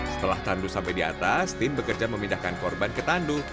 setelah tandu sampai di atas tim bekerja memindahkan korban ke tandu